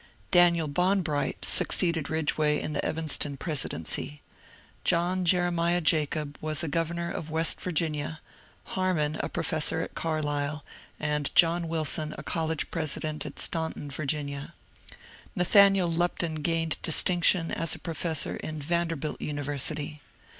Daniel Bonbright succeeded Ridgeway in the Evanston presidency. John Jeremiah Jacob was a governor of West Virginia, Harman a professor at Carlisle, and John Wilson a college president at Staunton, Va. Nathaniel Lupton gained distinction as a professor in Vanderbilt University.